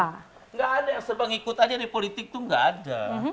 tidak ada yang serba ngikut aja di politik itu nggak ada